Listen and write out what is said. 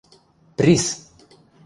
– Прис!